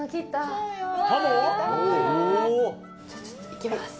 いきます。